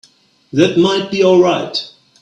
That might be all right.